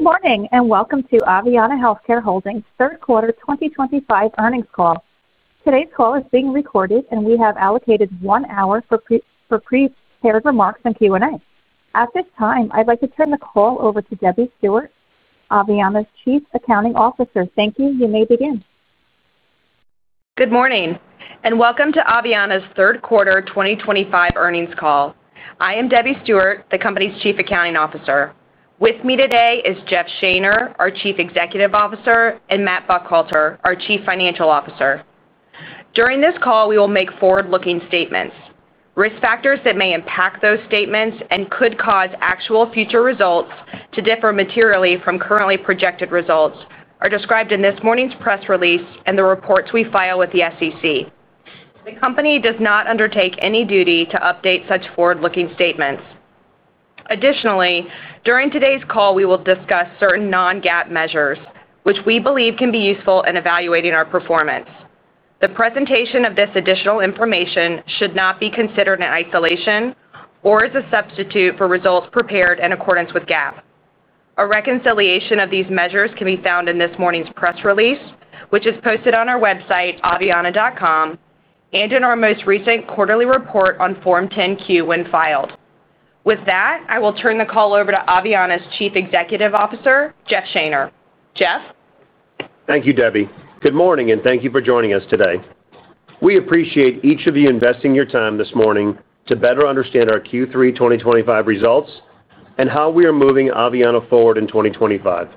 Good morning and welcome to Aveanna Healthcare's third quarter 2025 earnings call. Today's call is being recorded, and we have allocated one hour for prepared remarks and Q&A. At this time, I'd like to turn the call over to Debbie Stewart, Aveanna's Chief Accounting Officer. Thank you. You may begin. Good morning and welcome to Aveanna's third quarter 2025 earnings call. I am Debbie Stewart, the company's Chief Accounting Officer. With me today is Jeff Shaner, our Chief Executive Officer, and Matt Buckhalter, our Chief Financial Officer. During this call, we will make forward-looking statements. Risk factors that may impact those statements and could cause actual future results to differ materially from currently projected results are described in this morning's press release and the reports we file with the SEC. The company does not undertake any duty to update such forward-looking statements. Additionally, during today's call, we will discuss certain non-GAAP measures, which we believe can be useful in evaluating our performance. The presentation of this additional information should not be considered in isolation or as a substitute for results prepared in accordance with GAAP. A reconciliation of these measures can be found in this morning's press release, which is posted on our website, aveanna.com, and in our most recent quarterly report on Form 10-Q when filed. With that, I will turn the call over to Aveanna's Chief Executive Officer, Jeff Shaner. Jeff? Thank you, Debbie. Good morning and thank you for joining us today. We appreciate each of you investing your time this morning to better understand our Q3 2025 results and how we are moving Aveanna forward in 2025.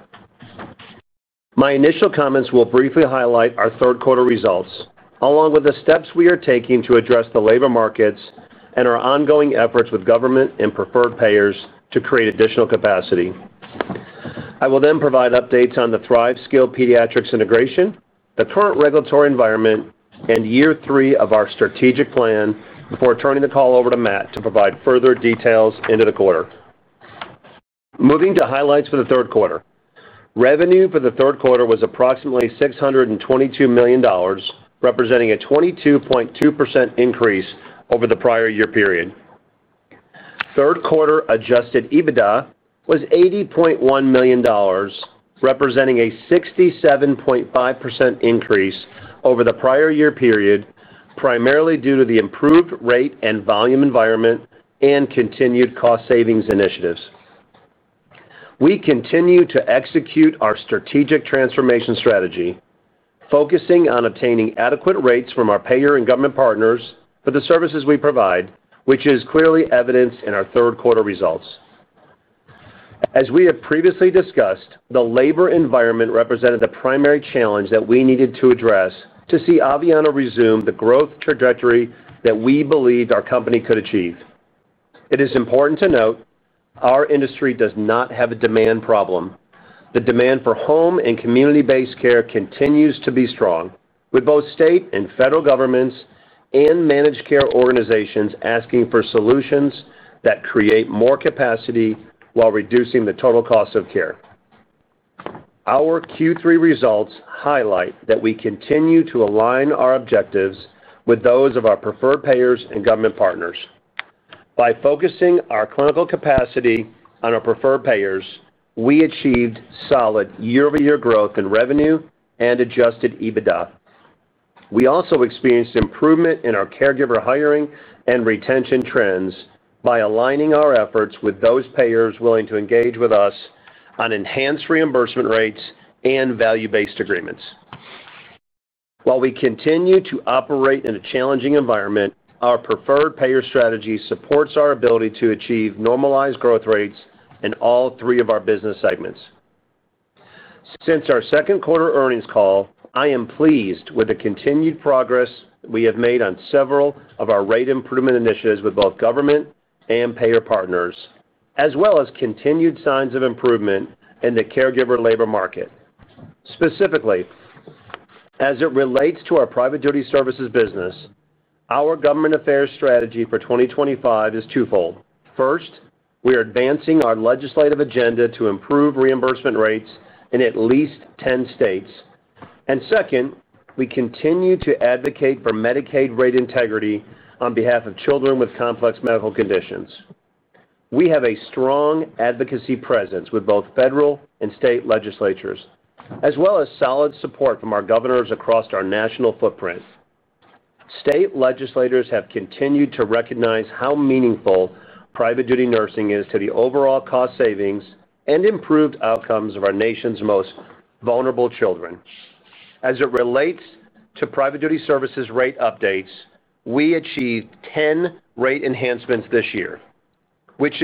My initial comments will briefly highlight our third quarter results, along with the steps we are taking to address the labor markets and our ongoing efforts with government and preferred payers to create additional capacity. I will then provide updates on the ThriveSkill Pediatrics integration, the current regulatory environment, and year three of our strategic plan before turning the call over to Matt to provide further details into the quarter. Moving to highlights for the third quarter: Revenue for the third quarter was approximately $622 million, representing a 22.2% increase over the prior year period. Third quarter adjusted EBITDA was $80.1 million, representing a 67.5% increase over the prior-year period. This was primarily due to the improved rate and volume environment and continued cost savings initiatives. We continue to execute our strategic transformation strategy, focusing on obtaining adequate rates from our payer and government partners for the services we provide, which is clearly evidenced in our third quarter results. As we have previously discussed, the labor environment represented the primary challenge that we needed to address to see Aveanna resume the growth trajectory that we believed our company could achieve. It is important to note our industry does not have a demand problem. The demand for home and community-based care continues to be strong, with both state and federal governments and managed care organizations asking for solutions that create more capacity while reducing the total cost of care. Our Q3 results highlight that we continue to align our objectives with those of our preferred payers and government partners. By focusing our clinical capacity on our preferred payers, we achieved solid year-over-year growth in revenue and adjusted EBITDA. We also experienced improvement in our caregiver hiring and retention trends by aligning our efforts with those payers willing to engage with us on enhanced reimbursement rates and value-based agreements. While we continue to operate in a challenging environment, our preferred payer strategy supports our ability to achieve normalized growth rates in all three of our business segments. Since our Q2 2025 earnings call, I am pleased with the continued progress we have made on several of our rate improvement initiatives with both government and payer partners, as well as continued signs of improvement in the caregiver labor market, specifically as it relates to our private duty services business. Our government affairs strategy for 2025 is twofold. First, we are advancing our legislative agenda to improve reimbursement rates in at least 10 states. Second, we continue to advocate for Medicaid rate integrity on behalf of children with complex medical conditions. We have a strong advocacy presence with both federal and state legislatures, as well as solid support from our governors across our national footprint. State legislators have continued to recognize how meaningful private duty nursing is to the overall cost savings and improved outcomes of our nation's most vulnerable children. As it relates to private duty services rate updates, we achieved 10 rate enhancements this year, which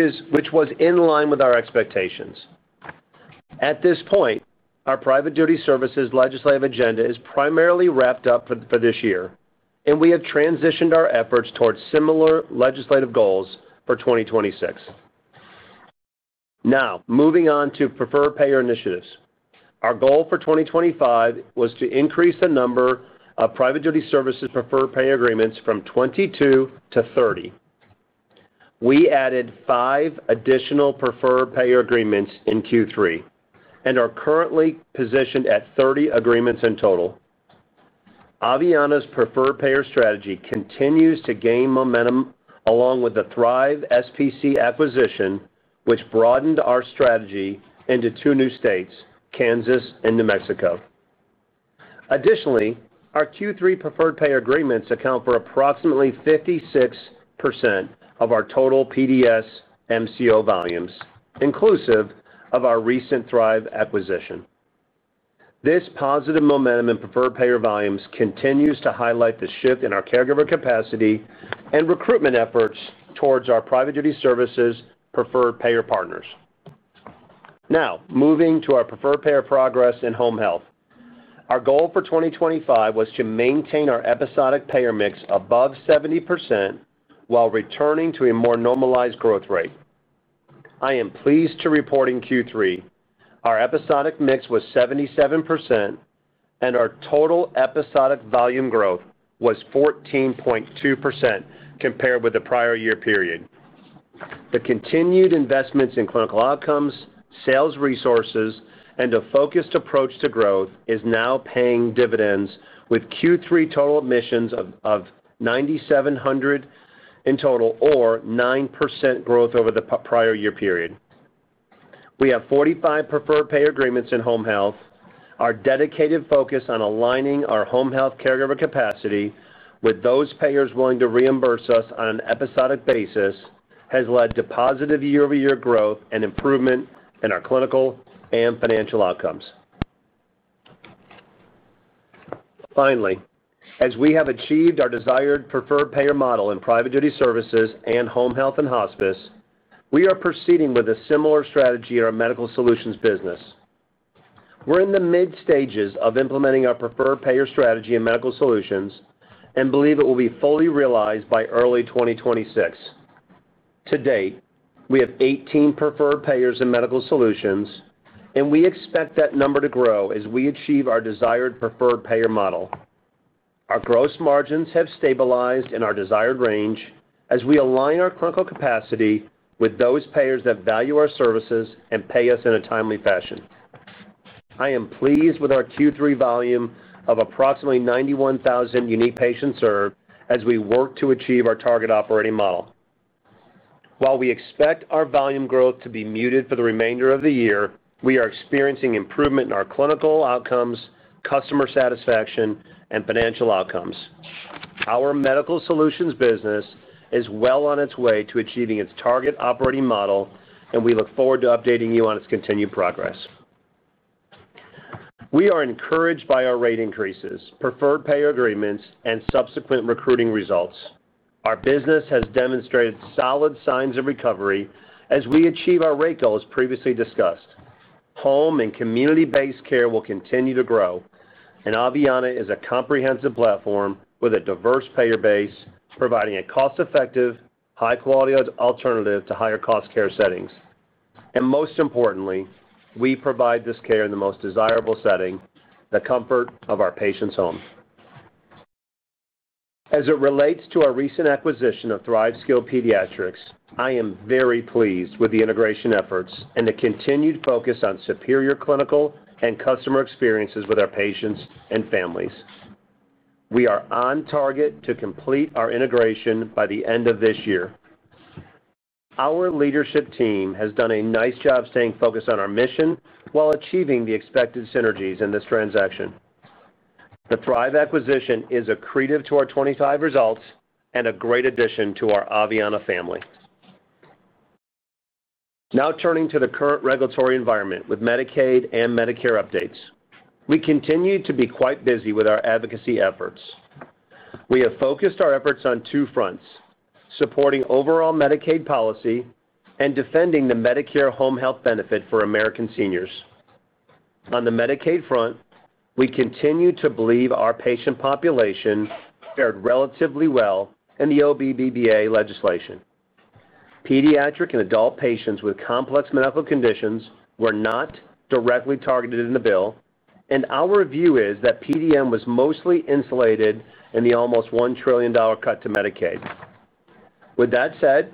was in line with our expectations. At this point, our private duty services legislative agenda is primarily wrapped up for this year, and we have transitioned our efforts toward similar legislative goals for 2026. Now, moving on to preferred payer initiatives. Our goal for 2025 was to increase the number of private duty services preferred payer agreements from 22 to 30. We added five additional preferred payer agreements in Q3 and are currently positioned at 30 agreements in total. Aveanna's preferred payer strategy continues to gain momentum along with the ThriveSPC acquisition, which broadened our strategy into two new states, Kansas and New Mexico. Additionally, our Q3 preferred payer agreements account for approximately 56% of our total PDS MCO volumes, inclusive of our recent Thrive acquisition. This positive momentum in preferred payer volumes continues to highlight the shift in our caregiver capacity and recruitment efforts towards our private duty services preferred payer partners. Now, moving to our preferred payer progress in home health. Our goal for 2025 was to maintain our episodic payer mix above 70% while returning to a more normalized growth rate. I am pleased to report in Q3 our episodic mix was 77%. Our total episodic volume growth was 14.2% compared with the prior year period. The continued investments in clinical outcomes, sales resources, and a focused approach to growth is now paying dividends, with Q3 total admissions of 9,700 in total, or 9% growth over the prior-year period. We have 45 preferred payer agreements in home health. Our dedicated focus on aligning our home health caregiver capacity with those payers willing to reimburse us on an episodic basis has led to positive year-over-year growth and improvement in our clinical and financial outcomes. Finally, as we have achieved our desired preferred payer model in private duty services and home health and hospice, we are proceeding with a similar strategy in our medical solutions business. We're in the mid-stages of implementing our preferred payer strategy in medical solutions and believe it will be fully realized by early 2026. To date, we have 18 preferred payers in medical solutions, and we expect that number to grow as we achieve our desired preferred payer model. Our gross margins have stabilized in our desired range as we align our clinical capacity with those payers that value our services and pay us in a timely fashion. I am pleased with our Q3 2025 volume of approximately 91,000 unique patients served as we work to achieve our target operating model. While we expect our volume growth to be muted for the remainder of the year, we are experiencing improvement in our clinical outcomes, customer satisfaction, and financial outcomes. Our medical solutions business is well on its way to achieving its target operating model, and we look forward to updating you on its continued progress. We are encouraged by our rate increases, preferred payer agreements, and subsequent recruiting results. Our business has demonstrated solid signs of recovery as we achieve our rate goals previously discussed. Home and community-based care will continue to grow, and Aveanna is a comprehensive platform with a diverse payer base, providing a cost-effective, high-quality alternative to higher-cost care settings. Most importantly, we provide this care in the most desirable setting, the comfort of our patients' homes. As it relates to our recent acquisition of ThriveSkill Pediatrics, I am very pleased with the integration efforts and the continued focus on superior clinical and customer experiences with our patients and families. We are on target to complete our integration by the end of this year. Our leadership team has done a nice job staying focused on our mission while achieving the expected synergies in this transaction. The Thrive acquisition is a credo to our 2025 results and a great addition to our Aveanna family. Now turning to the current regulatory environment with Medicaid and Medicare updates, we continue to be quite busy with our advocacy efforts. We have focused our efforts on two fronts: supporting overall Medicaid policy and defending the Medicare home health benefit for American seniors. On the Medicaid front, we continue to believe our patient population fared relatively well in the OB/BBA legislation. Pediatric and adult patients with complex medical conditions were not directly targeted in the bill, and our view is that PDS was mostly insulated in the almost $1 trillion cut to Medicaid. With that said,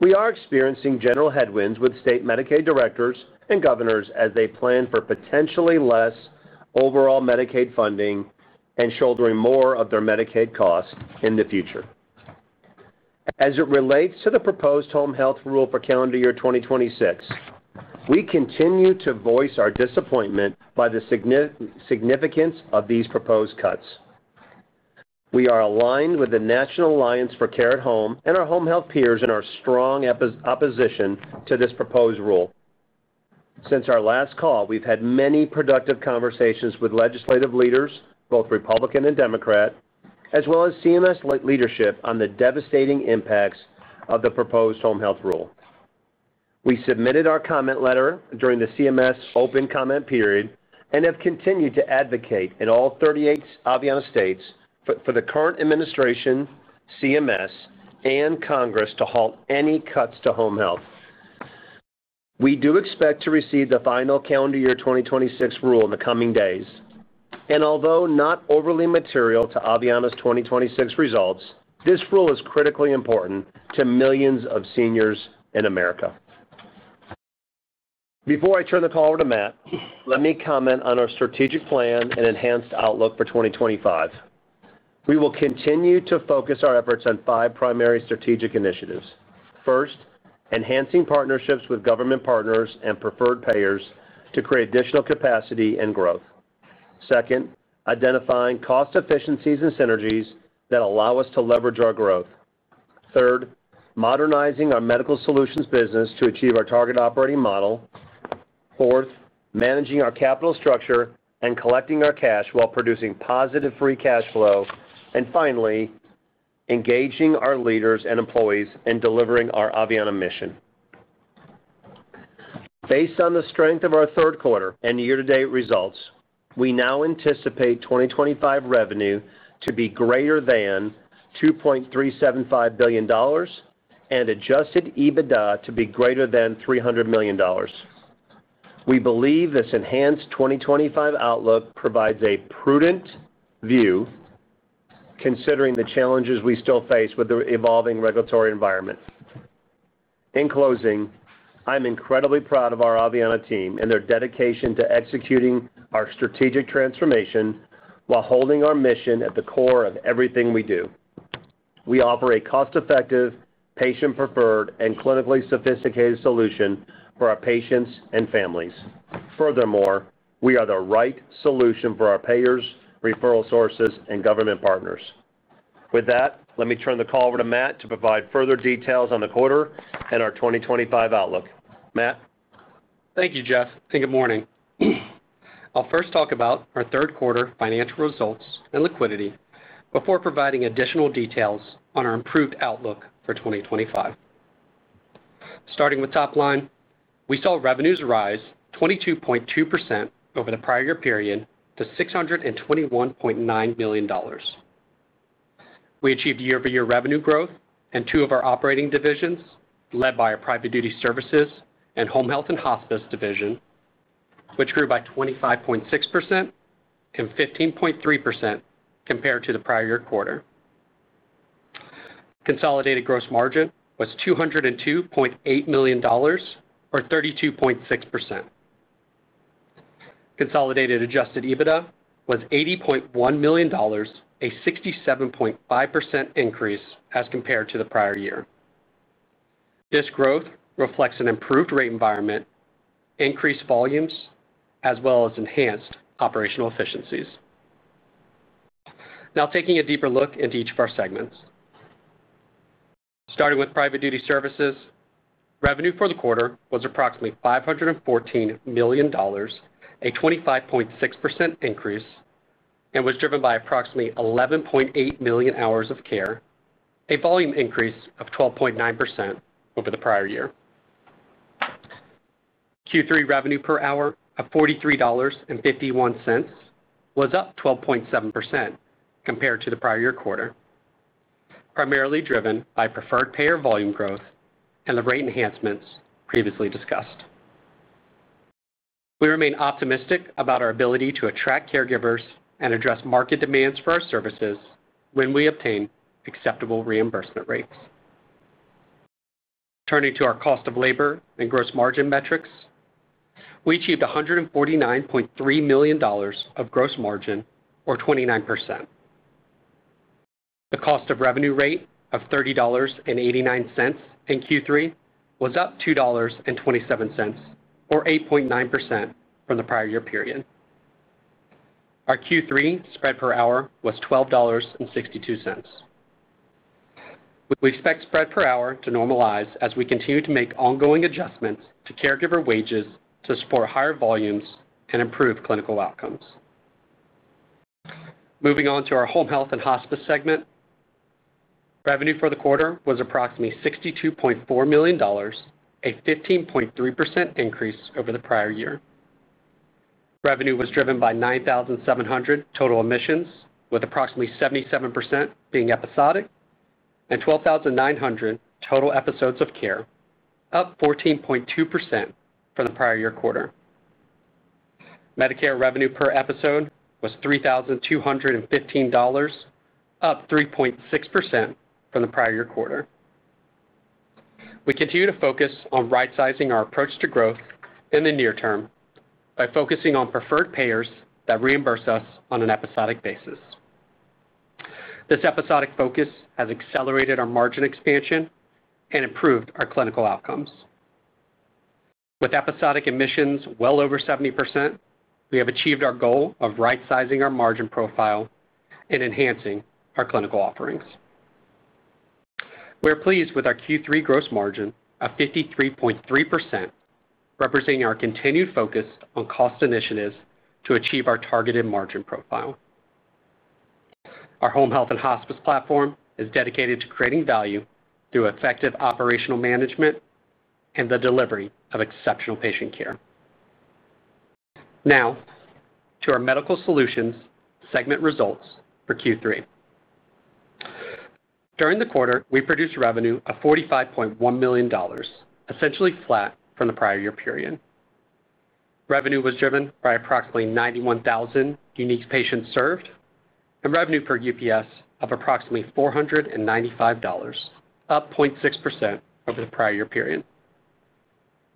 we are experiencing general headwinds with state Medicaid directors and governors as they plan for potentially less overall Medicaid funding and shouldering more of their Medicaid costs in the future. As it relates to the proposed home health rule for calendar year 2026, we continue to voice our disappointment by the significance of these proposed cuts. We are aligned with the National Alliance for Care at Home and our home health peers in our strong opposition to this proposed rule. Since our last call, we've had many productive conversations with legislative leaders, both Republican and Democrat, as well as CMS leadership on the devastating impacts of the proposed home health rule. We submitted our comment letter during the CMS open comment period and have continued to advocate in all 38 Aveanna states for the current administration, CMS, and Congress to halt any cuts to home health. We do expect to receive the final calendar year 2026 rule in the coming days. Although not overly material to Aveanna's 2026 results, this rule is critically important to millions of seniors in America. Before I turn the call over to Matt, let me comment on our strategic plan and enhanced outlook for 2025. We will continue to focus our efforts on five primary strategic initiatives. First, enhancing partnerships with government partners and preferred payers to create additional capacity and growth. Second, identifying cost efficiencies and synergies that allow us to leverage our growth. Third, modernizing our medical solutions business to achieve our target operating model. Fourth, managing our capital structure and collecting our cash while producing positive free cash flow. Finally, engaging our leaders and employees in delivering our Aveanna mission. Based on the strength of our third quarter and year-to-date results, we now anticipate 2025 revenue to be greater than $2.375 billion and adjusted EBITDA to be greater than $300 million. We believe this enhanced 2025 outlook provides a prudent view, considering the challenges we still face with the evolving regulatory environment. In closing, I'm incredibly proud of our Aveanna team and their dedication to executing our strategic transformation while holding our mission at the core of everything we do. We offer a cost-effective, patient-preferred, and clinically sophisticated solution for our patients and families. Furthermore, we are the right solution for our payers, referral sources, and government partners. With that, let me turn the call over to Matt to provide further details on the quarter and our 2025 outlook. Matt. Thank you, Jeff. And good morning. I'll first talk about our third quarter financial results and liquidity before providing additional details on our improved outlook for 2025. Starting with top line, we saw revenues rise 22.2% over the prior year period to $621.9 million. We achieved year-over-year revenue growth in two of our operating divisions, led by our private duty services and home health and hospice division, which grew by 25.6% and 15.3% compared to the prior year quarter. Consolidated gross margin was $202.8 million, or 32.6%. Consolidated adjusted EBITDA was $80.1 million, a 67.5% increase as compared to the prior year. This growth reflects an improved rate environment, increased volumes, as well as enhanced operational efficiencies. Now, taking a deeper look into each of our segments. Starting with private duty services, revenue for the quarter was approximately $514 million, a 25.6% increase, and was driven by approximately 11.8 million hours of care, a volume increase of 12.9% over the prior year. Q3 revenue per hour of $43.51 was up 12.7% compared to the prior year quarter, primarily driven by preferred payer volume growth and the rate enhancements previously discussed. We remain optimistic about our ability to attract caregivers and address market demands for our services when we obtain acceptable reimbursement rates. Turning to our cost of labor and gross margin metrics, we achieved $149.3 million of gross margin, or 29%. The cost of revenue rate of $30.89 in Q3 was up $2.27, or 8.9% from the prior year period. Our Q3 spread per hour was $12.62. We expect spread per hour to normalize as we continue to make ongoing adjustments to caregiver wages to support higher volumes and improve clinical outcomes. Moving on to our Home Health and Hospice segment. Revenue for the quarter was approximately $62.4 million, a 15.3% increase over the prior year. Revenue was driven by 9,700 total admissions, with approximately 77% being episodic, and 12,900 total episodes of care, up 14.2% from the prior year quarter. Medicare revenue per episode was $3,215, up 3.6% from the prior year quarter. We continue to focus on right-sizing our approach to growth in the near term by focusing on preferred payers that reimburse us on an episodic basis. This episodic focus has accelerated our margin expansion and improved our clinical outcomes. With episodic admissions well over 70%, we have achieved our goal of right-sizing our margin profile and enhancing our clinical offerings. We're pleased with our Q3 gross margin of 53.3%, representing our continued focus on cost initiatives to achieve our targeted margin profile. Our Home Health and Hospice platform is dedicated to creating value through effective operational management and the delivery of exceptional patient care. Now, to our Medical Solutions segment results for Q3. During the quarter, we produced revenue of $45.1 million, essentially flat from the prior year period. Revenue was driven by approximately 91,000 unique patients served and revenue per UPS of approximately $495, up 0.6% over the prior year period.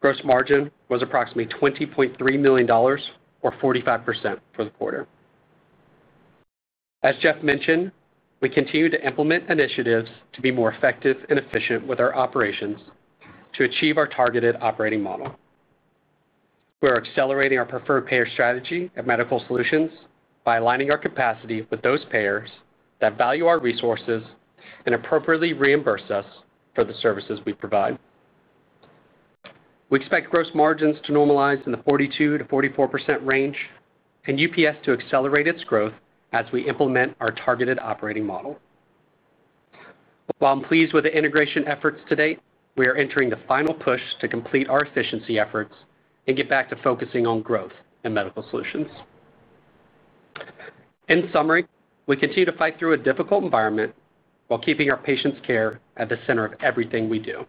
Gross margin was approximately $20.3 million, or 45% for the quarter. As Jeff mentioned, we continue to implement initiatives to be more effective and efficient with our operations to achieve our targeted operating model. We are accelerating our preferred payer strategy at Medical Solutions by aligning our capacity with those payers that value our resources and appropriately reimburse us for the services we provide. We expect gross margins to normalize in the 42%-44% range, and UPS to accelerate its growth as we implement our targeted operating model. While I'm pleased with the integration efforts to date, we are entering the final push to complete our efficiency efforts and get back to focusing on growth in Medical Solutions. In summary, we continue to fight through a difficult environment while keeping our patients' care at the center of everything we do.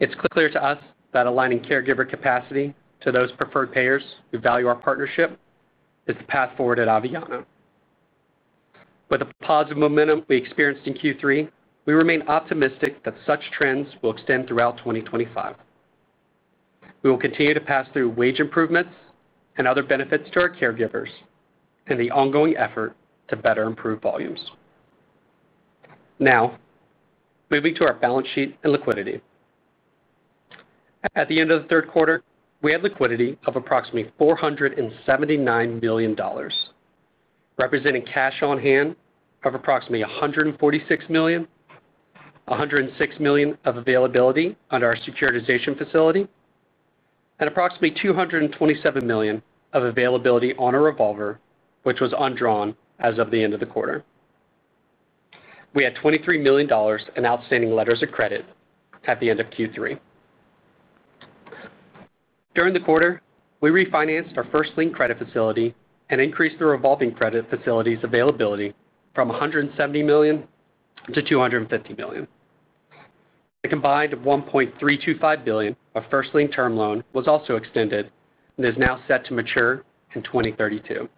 It's clear to us that aligning caregiver capacity to those preferred payers who value our partnership is the path forward at Aveanna. With the positive momentum we experienced in Q3, we remain optimistic that such trends will extend throughout 2025. We will continue to pass through wage improvements and other benefits to our caregivers in the ongoing effort to better improve volumes. Now, moving to our balance sheet and liquidity. At the end of the third quarter, we had liquidity of approximately $479 million, representing cash on hand of approximately $146 million, $106 million of availability under our securitization facility, and approximately $227 million of availability on a revolver, which was undrawn as of the end of the quarter. We had $23 million in outstanding letters of credit at the end of Q3. During the quarter, we refinanced our first-lien credit facility and increased the revolving credit facility's availability from $170 million to $250 million. The combined $1.325 billion of first-lien term loan was also extended and is now set to mature in 2032.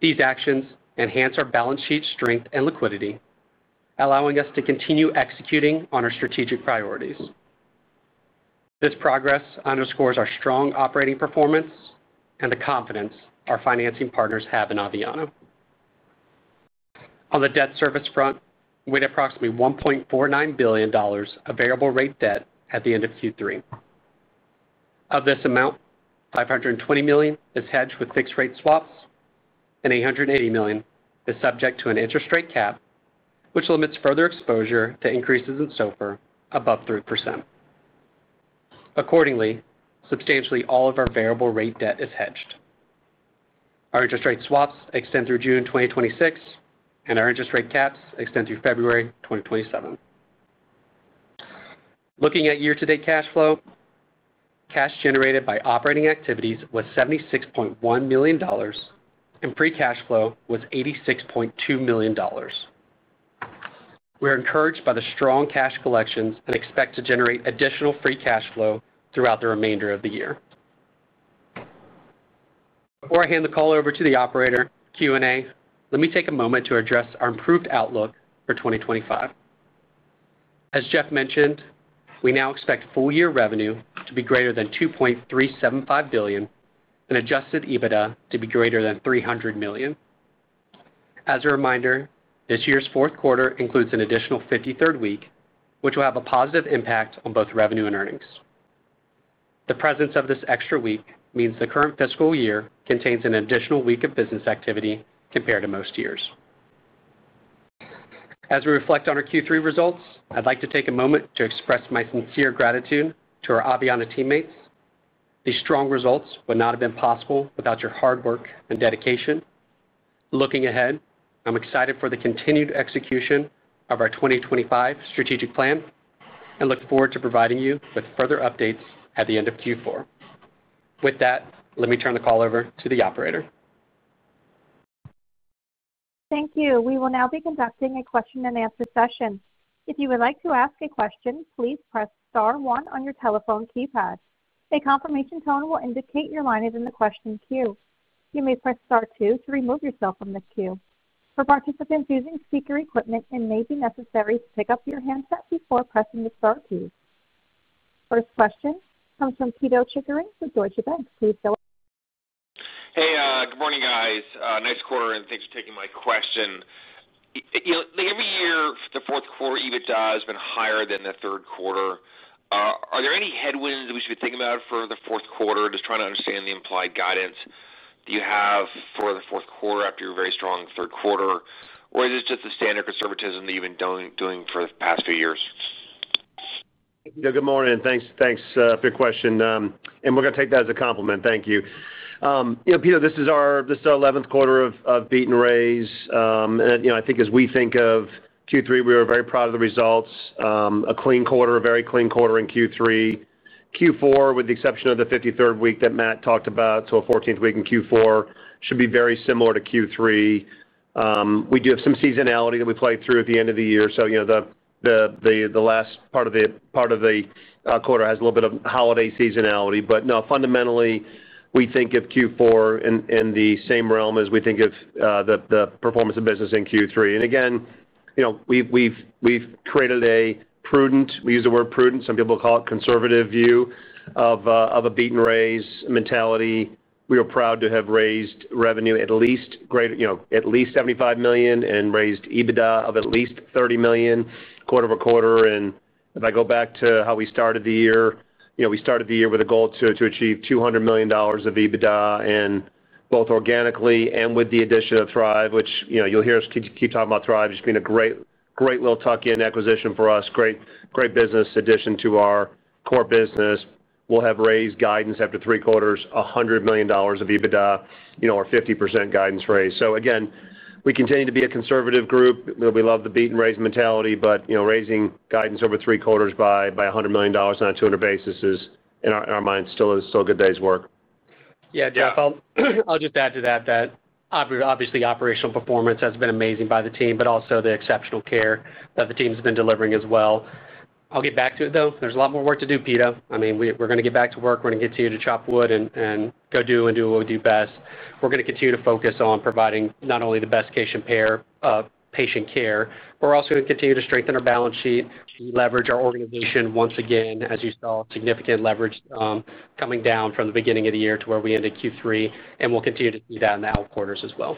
These actions enhance our balance sheet strength and liquidity, allowing us to continue executing on our strategic priorities. This progress underscores our strong operating performance and the confidence our financing partners have in Aveanna. On the debt service front, we had approximately $1.49 billion of variable rate debt at the end of Q3. Of this amount, $520 million is hedged with fixed-rate swaps, and $880 million is subject to an interest rate cap, which limits further exposure to increases in SOFR above 3%. Accordingly, substantially all of our variable rate debt is hedged. Our interest rate swaps extend through June 2026, and our interest rate caps extend through February 2027. Looking at year-to-date cash flow. Cash generated by operating activities was $76.1 million. Free cash flow was $86.2 million. We are encouraged by the strong cash collections and expect to generate additional free cash flow throughout the remainder of the year. Before I hand the call over to the operator Q&A, let me take a moment to address our improved outlook for 2025. As Jeff mentioned, we now expect full-year revenue to be greater than $2.375 billion and adjusted EBITDA to be greater than $300 million. As a reminder, this year's fourth quarter includes an additional 53rd week, which will have a positive impact on both revenue and earnings. The presence of this extra week means the current fiscal year contains an additional week of business activity compared to most years. As we reflect on our Q3 results, I'd like to take a moment to express my sincere gratitude to our Aveanna teammates. These strong results would not have been possible without your hard work and dedication. Looking ahead, I'm excited for the continued execution of our 2025 strategic plan and look forward to providing you with further updates at the end of Q4. With that, let me turn the call over to the operator. Thank you. We will now be conducting a question-and-answer session. If you would like to ask a question, please press Star 1 on your telephone keypad. A confirmation tone will indicate your line is in the question queue. You may press Star 2 to remove yourself from the queue. For participants using speaker equipment, it may be necessary to pick up your handset before pressing the Star key. First question comes from Kito Chikaran for Deutsche Bank. Please go ahead. Hey, good morning, guys. Nice quarter, and thanks for taking my question. Every year, the fourth quarter EBITDA has been higher than the third quarter. Are there any headwinds that we should be thinking about for the Q4, just trying to understand the implied guidance that you have for the fourth quarter after your very strong Q3? Or is this just the standard conservatism that you've been doing for the past few years? Good morning. Thanks for your question. And we're going to take that as a compliment. Thank you. Kito, this is our 11th quarter of beat and raise. I think as we think of Q3, we are very proud of the results. A clean quarter, a very clean quarter in Q3. Q4, with the exception of the 53rd week that Matt talked about, so a 14th week in Q4, should be very similar to Q3. We do have some seasonality that we play through at the end of the year. The last part of the quarter has a little holiday seasonality. No, fundamentally, we think of Q4 in the same realm as we think of the performance of business in Q3. Again, we've created a prudent—we use the word prudent; some people call it conservative—view of a beat-and-raise mentality. We are proud to have raised revenue at least $75 million and raised EBITDA of at least $30 million quarter over quarter. If I go back to how we started the year, we started the year with a goal to achieve $200 million of EBITDA, both organically and with the addition of Thrive, which you'll hear us keep talking about Thrive. It's been a great little tuck-in acquisition for us, great business addition to our core business. We'll have raised guidance after three quarters, $100 million of EBITDA, our 50% guidance raise. Again, we continue to be a conservative group. We love the beat-and-raise mentality, but raising guidance over three quarters by $100 million on a $200 million basis is, in our minds, still a good day's work. Yeah, Jeff, I'll just add to that that, obviously, operational performance has been amazing by the team, but also the exceptional care that the team's been delivering as well. I'll get back to it, though. There's a lot more work to do, Kito. I mean, we're going to get back to work. We're going to continue to chop wood and go do and do what we do best. We're going to continue to focus on providing not only the best patient care, but we're also going to continue to strengthen our balance sheet and leverage our organization once again, as you saw significant leverage coming down from the beginning of the year to where we ended Q3. We'll continue to see that in the out quarters as well.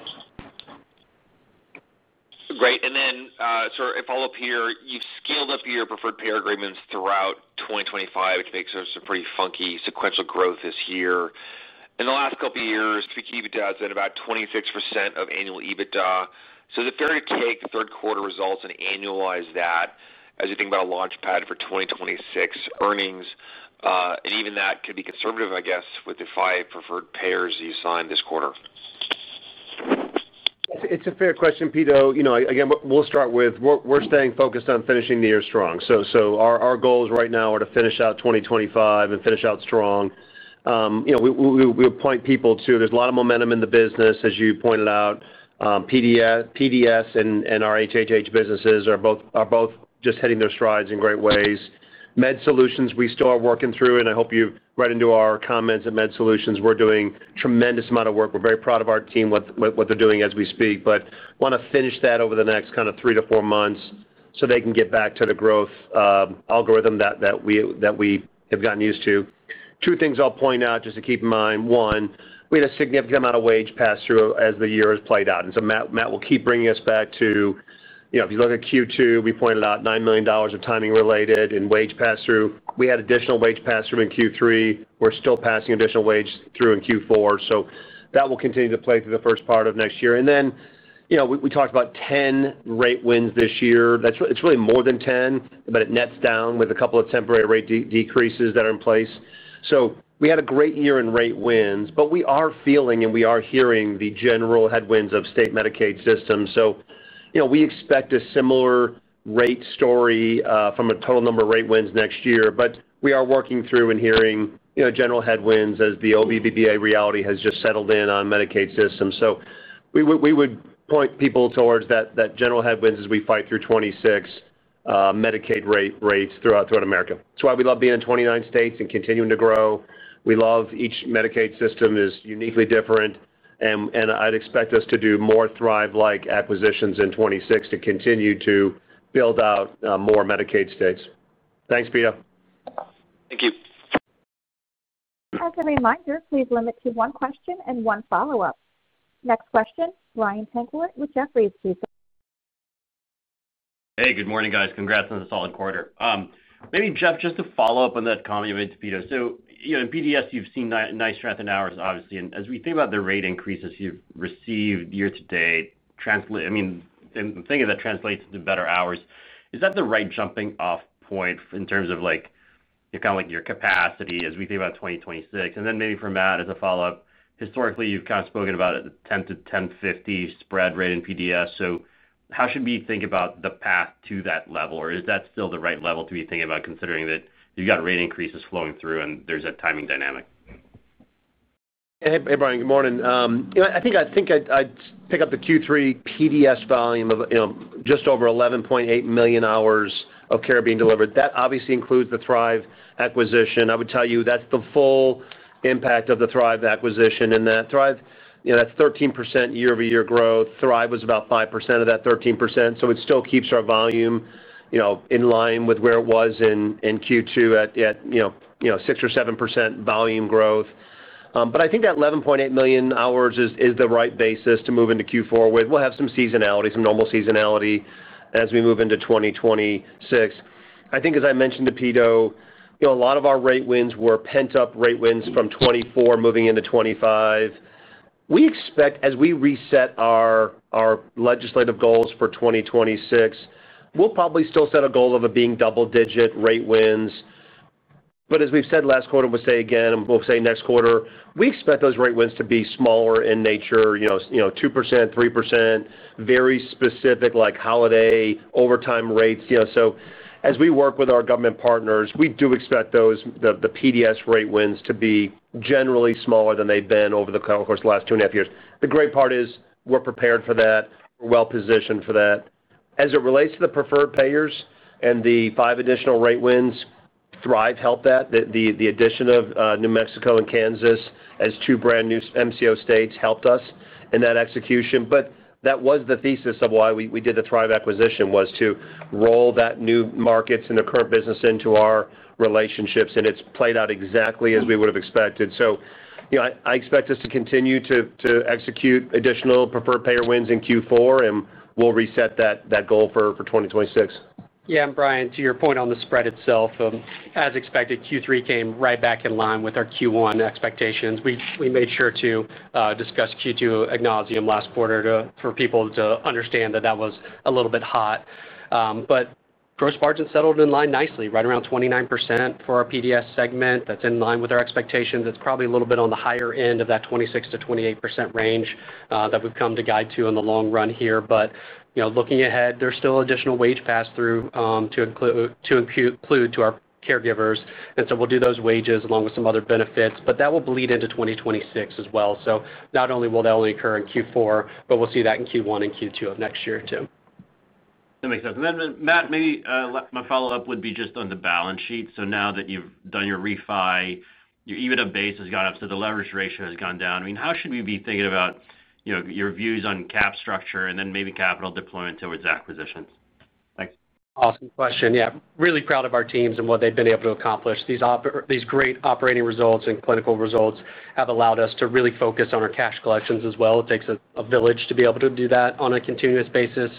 Great. Then sort of a follow-up here, you've scaled up your preferred payer agreements throughout 2025, which makes for some pretty funky sequential growth this year. In the last couple of years, week EBITDA is at about 26% of annual EBITDA. Is it fair to take the third quarter results and annualize that as you think about a launchpad for 2026 earnings? Even that could be conservative, I guess, with the five preferred payers you signed this quarter. It's a fair question, Kito. Again, we'll start with we're staying focused on finishing the year strong. Our goals right now are to finish out 2025 and finish out strong. We appoint people to—there's a lot of momentum in the business, as you pointed out. PDS and our HHH businesses are both just hitting their strides in great ways. MedSolutions, we still are working through, and I hope you read into our comments at MedSolutions. We're doing a tremendous amount of work. We're very proud of our team, what they're doing as we speak. We want to finish that over the next kind of three to four months so they can get back to the growth algorithm that we have gotten used to. Two things I'll point out just to keep in mind. One, we had a significant amount of wage pass-through as the year has played out. Matt will keep bringing us back to this. If you look at Q2, we pointed out $9 million of timing-related and wage pass-through. We had additional wage pass-through in Q3. We're still passing additional wage through in Q4. That will continue to play through the first part of next year. We talked about 10 rate wins this year. It is really more than 10, but it nets down with a couple of temporary rate decreases that are in place. We had a strong year in rate wins, but we are feeling and we are hearing the general headwinds of state Medicaid systems. We expect a similar rate story from a total number of rate wins next year. We are working through and hearing general headwinds as the OBBBA reality has just settled in on Medicaid systems. We would point people towards that general headwinds as we fight through 2026. Medicaid rates throughout America. That is why we love being in 29 states and continuing to grow. We love each Medicaid system is uniquely different. I'd expect us to do more Thrive-like acquisitions in 2026 to continue to build out more Medicaid states. Thanks, Kito. Thank you. As a reminder, please limit to one question and one follow-up. Next question, Ryan Pankowitz with Jefferies, please. Hey, good morning, guys. Congrats on the solid quarter. Maybe, Jeff, just to follow up on that comment you made to Kito. In PDS, you've seen nice strength in hours, obviously. As we think about the rate increases you've received year to date, I mean, the thing that translates into better hours, is that the right jumping-off point in terms of your capacity as we think about 2026? Maybe for Matt, as a follow-up, historically, you've kind of spoken about a 10 to 10.50 spread rate in PDS. How should we think about the path to that level? Or is that still the right level to be thinking about, considering that you've got rate increases flowing through and there's a timing dynamic? Hey, Ryan. Good morning. I'd pick up the Q3 PDS volume of just over 11.8 million hours of care being delivered. That obviously includes the Thrive acquisition. I would tell you that's the full impact of the Thrive acquisition. And that Thrive, that's 13% year-over-year growth. Thrive was about 5% of that 13%. It still keeps our volume in line with Q2, which had 6%-7% volume growth. I think that 11.8 million hours is the right basis to move into Q4 with. We'll have some seasonality, some normal seasonality as we move into 2026. I think, as I mentioned to Kito, a lot of our rate wins were pent-up rate wins from 2024 moving into 2025. We expect that as we reset our legislative goals for 2026, we'll probably still set a goal of being double-digit rate wins. As we've said last quarter, we'll say again, and we'll say next quarter, we expect those rate wins to be smaller in nature, 2%-3%, very specific holiday overtime rates. As we work with our government partners, we do expect the PDS rate wins to be generally smaller than they've been over the course of the last two and a half years. The great part is we're prepared for that. We're well-positioned for that. As it relates to the preferred payers and the five additional rate wins, Thrive helped that. The addition of New Mexico and Kansas as two brand-new MCO states helped us in that execution. That was the thesis of why we did the Thrive acquisition, was to roll that new markets and the current business into our relationships. It has played out exactly as we would have expected. I expect us to continue to execute additional preferred payer wins in Q4, and we will reset that goal for 2026. Yeah, and Ryan, to your point on the spread itself, as expected, Q3 came right back in line with our Q1 expectations. We made sure to discuss Q2, acknowledging them last quarter for people to understand that that was a little bit hot. Gross margin settled in line nicely, right around 29% for our PDS segment. That is in line with our expectations. It is probably a little bit on the higher end of that 26%`-28% range that we have come to guide to in the long run here. Looking ahead, there's still additional wage pass-through to include to our caregivers. We'll do those wages along with some other benefits. That will bleed into 2026 as well. Not only will that only occur in Q4, but we'll see that in Q1 and Q2 of next year too. That makes sense. Matt, maybe my follow-up would be just on the balance sheet. Now that you've done your refi, your EBITDA base has gone up, so the leverage ratio has gone down. I mean, how should we be thinking about your views on cap structure and then maybe capital deployment towards acquisitions? Thanks Awesome question. I'm really proud of our teams and what they've been able to accomplish. These great operating results and clinical results have allowed us to really focus on our cash collections as well. It takes a village to be able to do that on a continuous basis.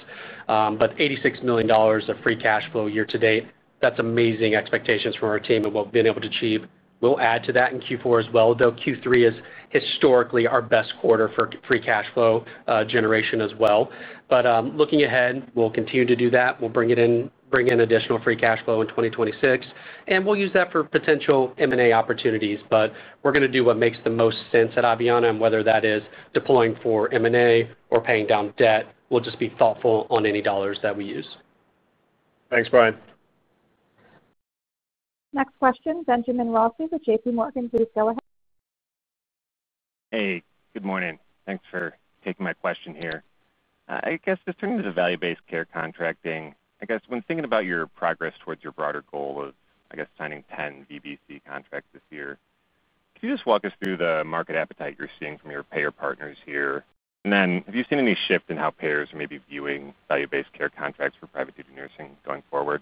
$86 million of free cash flow year to date, that's amazing expectations from our team. What we've been able to achieve. We'll add to that in Q4 as well. Though Q3 is historically our best quarter for free cash flow generation as well. But looking ahead, we'll continue to do that. We'll bring in additional free cash flow in 2026. And we'll use that for potential M&A opportunities. But we're going to do what makes the most sense at Aveanna, and whether that is deploying for M&A or paying down debt, we'll just be thoughtful on any dollars that we use. Thanks, Brian. Next question, Benjamin Rossley with JP Morgan. Please go ahead. Hey, good morning. Thanks for taking my question here. I guess just turning to the value-based care contracting, I guess when thinking about your progress towards your broader goal of, I guess, signing 10 VBC contracts this year, can you just walk us through the market appetite you're seeing from your payer partners? Also, have you seen any shift in how payers are maybe viewing value-based care contracts for private duty nursing going forward?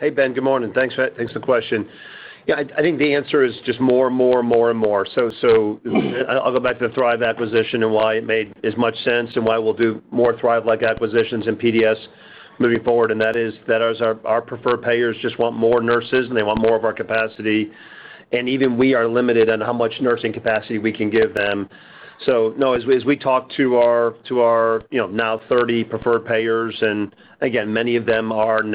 Hey, Ben, good morning. Thanks for the question. Yeah, I think the answer is just more and more and more and more. I'll go back to the Thrive acquisition and why it made as much sense and why we'll do more Thrive-like acquisitions in PDS moving forward. That is that our preferred payers just want more nurses, and they want more of our capacity. Even we are limited on how much nursing capacity we can give them. No, as we talk to our now 30 preferred payers, and again, many of them are the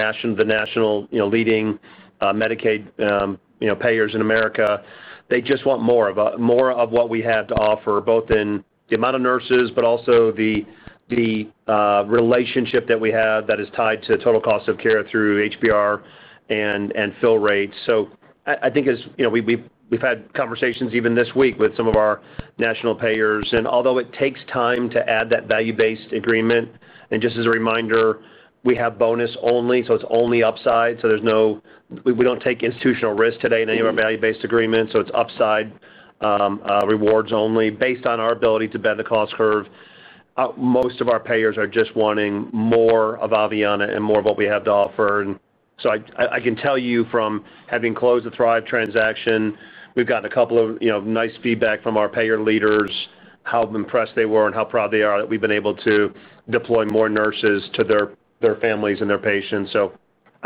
national leading Medicaid payers in U.S., they just want more of what we have to offer, both in the amount of nurses but also the relationship that we have that is tied to total cost of care through HBR and fill rates. I think we've had conversations even this week with some of our national payers. Although it takes time to add that value-based agreement, and just as a reminder, we have bonus only, so it's only upside. We do not take institutional risk today in any of our value-based agreements. It is upside rewards only based on our ability to bend the cost curve. Most of our payers are just wanting more of Aveanna and more of what we have to offer. I can tell you from having closed the Thrive transaction, we've gotten a couple of nice feedback from our payer leaders, how impressed they were and how proud they are that we've been able to deploy more nurses to their families and their patients. I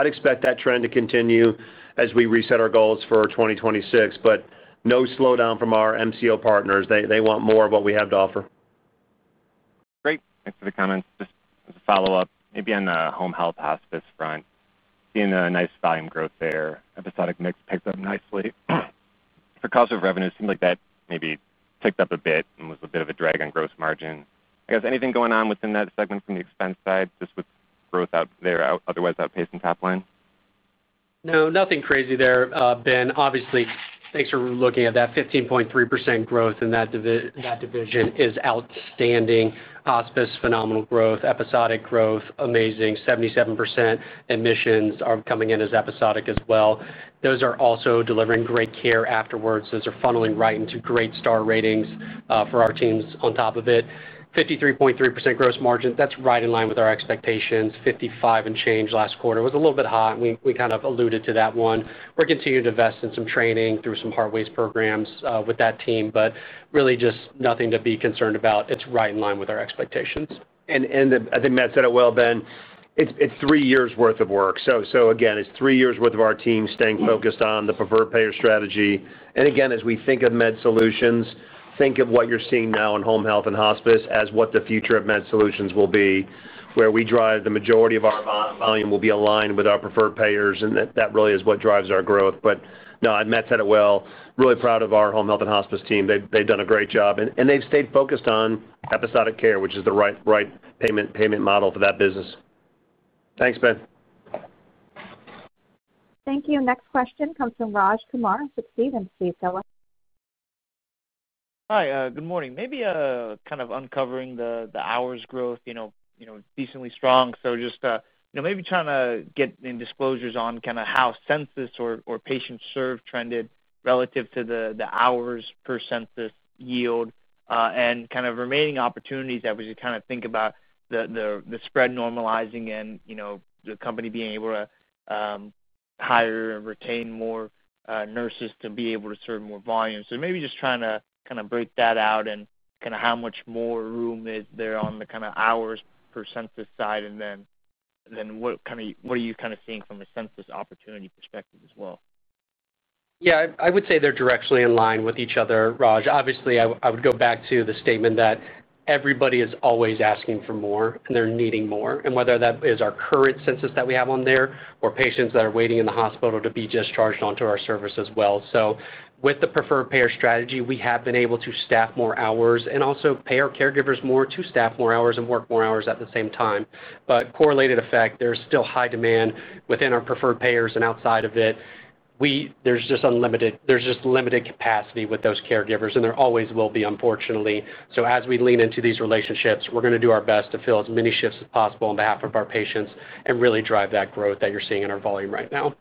would expect that trend to continue as we reset our goals for 2026, but no slowdown from our MCO partners. They want more of what we have to offer. Great. Thanks for the comments. Just as a follow-up, maybe on the home health hospice front, seeing a nice volume growth there. Episodic mix picked up nicely. For cost of revenue, it seems like that maybe ticked up a bit and was a bit of a drag on gross margin. I guess anything going on within that segment from the expense side, just with growth out there, otherwise outpacing top line? No, nothing crazy there, Ben. Obviously, thanks for looking at that. 15.3% growth in that division is outstanding. Hospice performance phenomenal, and episodic growth is strong. 77% admissions are coming in as episodic as well. Those are also delivering great care afterwards. Those are funneling right into great star ratings for our teams on top of it. 53.3% gross margin, that's right in line with our expectations. 55 and change last quarter was a little bit hot. We kind of alluded to that one. We're continuing to invest in some training through some heartways programs with that team, but really just nothing to be concerned about. It's right in line with our expectations. I think Matt said it well, Ben. It's three years' worth of work. Again, it's three years' worth of our team staying focused on the preferred payer strategy. Again, as we think of MedSolutions, think of what you're seeing now in home health and hospice as what the future of MedSolutions will be, where the majority of our volume will be aligned with our preferred payers. That really is what drives our growth. Matt said it well. Really proud of our home health and hospice team. They've done a great job. They've stayed focused on episodic care, which is the right payment model for that business. Thanks, Ben. Thank you. Next question comes from Raj Kumar and Succeed and Steve Keller. Hi, good morning. Maybe digging into hours growth. Which has been decently strong, I'm trying to get in disclosures on kind of how census or patient-served trended relative to the hours per census yield and kind of remaining opportunities that we just kind of think about. The spread normalizing and the company being able to hire and retain more nurses to be able to serve more volume? Can you break that out and kind of how much more room is there on the kind of hours per census side and then what are you kind of seeing from a census opportunity perspective as well? I would say they're directly in line with each other, Raj. Obviously, I would go back to the statement that everybody is always asking for more, and they're needing more. Whether that is our current census that we have on there or patients that are waiting in the hospital to be discharged onto our service as well. With the preferred payer strategy, we have been able to staff more hours and also pay our caregivers more to staff more hours and work more hours at the same time. By correlated effect, there's still high demand within our preferred payers and outside of it. There's just unlimited capacity with those caregivers, and there always will be, unfortunately. As we lean into these relationships, we're going to do our best to fill as many shifts as possible on behalf of our patients and really drive that growth that you're seeing in our volume right now.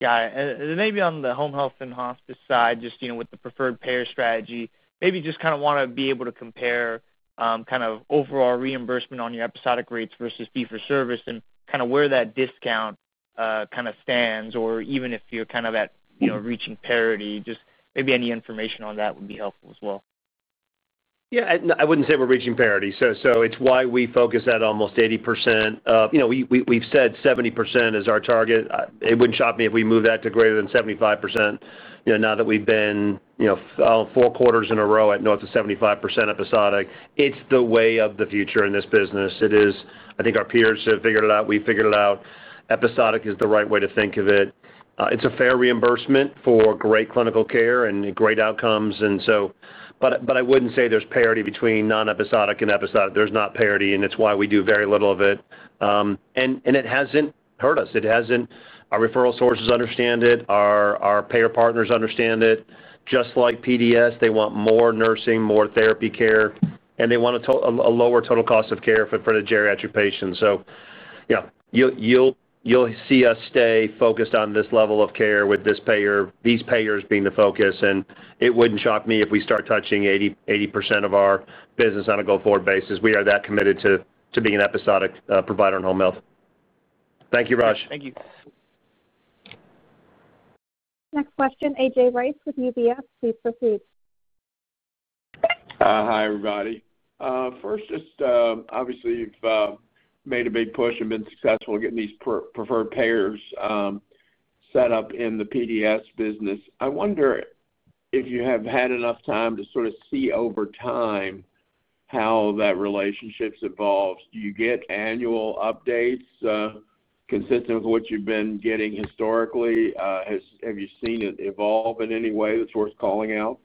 Yeah. Maybe on the home health and hospice side, just with the preferred payer strategy, maybe just kind of want to be able to compare kind of overall reimbursement on your episodic rates versus fee-for-service and kind of where that discount kind of stands, or even if you're kind of at reaching parity, just maybe any information on that would be helpful as well. Yeah. I wouldn't say we're reaching parity. That is why we focus at nearly 80% episodic. We've said 70% is our target. It wouldn't shock me if we move that to greater than 75%. Now that we've been four quarters in a row at north of 75% episodic, it's the way of the future in this business. It is, I think our peers have figured it out. We've figured it out. Episodic is the right way to think of it. It's a fair reimbursement for great clinical care and great outcomes. I wouldn't say there's parity between non-episodic and episodic. There's not parity, and it's why we do very little of it. It hasn't hurt us. Our referral sources understand it. Our payer partners understand it. Just like PDS, they want more nursing, more therapy care, and they want a lower total cost of care for the geriatric patients. Yeah, you'll see us stay focused on this level of care with these payers being the focus. It wouldn't shock me if we start touching 80% of our business on a go-forward basis. We are that committed to being an episodic provider in home health. Thank you, Raj. Thank you. Next question, AJ Rice with UBS. Please proceed. Hi, everybody. First, just obviously, you've made a significant push and been successful in getting these preferred payers. Set up in the PDS business. I wonder if you’ve had enough time to observe how these relationships have evolved. Do you get annual updates consistent with historical practices? Have you seen any notable evolution worth highlighting?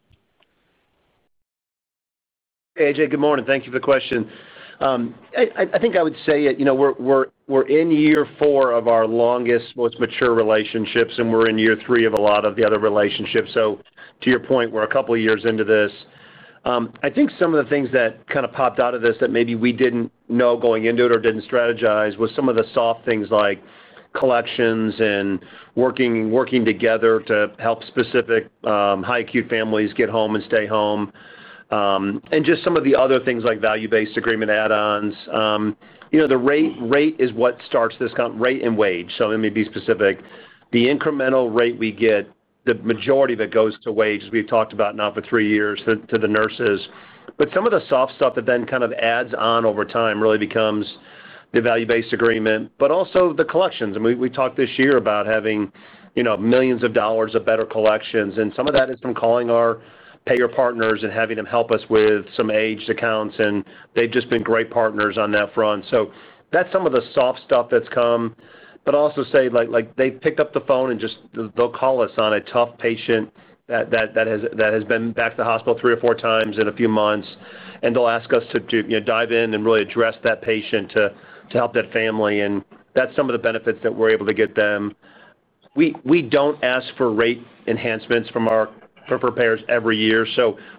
Hey, AJ, good morning. Thank you for the question. I think I would say we're in year four of our longest, most mature relationships, and we're in year three of a lot of the other relationships. To your point, we're a couple of years into this. I think some of the things that kind of popped out of this that maybe we didn't know going into it or didn't strategize were some of the soft things like collections and working together to help specific high-acute families get home and stay home. Just some of the other things like value-based agreement add-ons. The rate is what starts this kind of rate and wage. Let me be specific. The incremental rate we get, the majority of it goes to wages. We've talked about now for three years to the nurses. Some of the soft stuff that then kind of adds on over time really becomes the value-based agreement, but also the collections. We talked this year about having millions of dollars of better collections. Some of that is from calling our payer partners and having them help us with some age accounts. They've just been great partners on that front. That's some of the soft stuff that's come. I'll also say they've picked up the phone and they'll call us on a tough patient that has been back to the hospital three or four times in a few months. They'll ask us to dive in and really address that patient to help that family. That's some of the benefits that we're able to get them. We don't ask for rate enhancements for payers every year.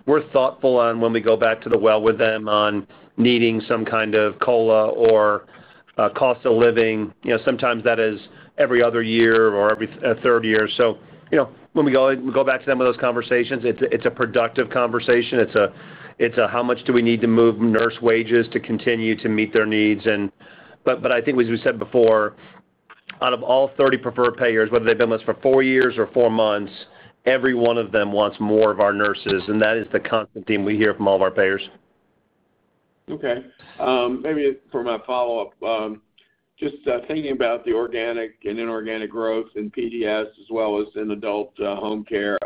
We're thoughtful on when we go back to the well with them on needing some kind of COLA or cost of living. Sometimes that is every other year or every third year. When we go back to them with those conversations, it's a productive conversation. It's a how much do we need to move nurse wages to continue to meet their needs. I think, as we said before, out of all 30 preferred payers, whether they've been with us for four years or four months, every one of them wants more of our nurses. That is the constant theme we hear from all of our payers. Okay. Maybe for my follow-up. Just thinking about the organic and inorganic growth in PDS as well as in adult home care.